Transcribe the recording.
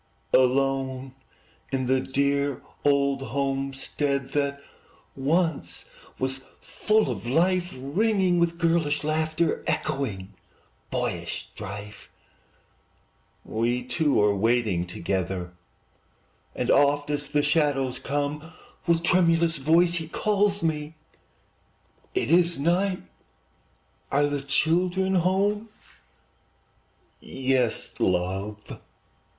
Alone in the dear old homestead That once was full of life, Ringing with girlish laughter, Echoing boyish strife, We two are waiting together; And oft, as the shadows come, With tremulous voice he calls me, "It is night! are the children home?" "Yes, love!"